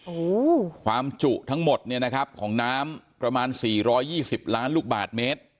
โอ้โหความจุทั้งหมดเนี่ยนะครับของน้ำประมาณสี่ร้อยยี่สิบล้านลูกบาทเมตร